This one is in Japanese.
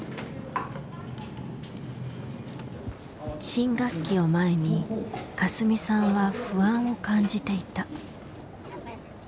新学期を前にかすみさんは不安を感じていた。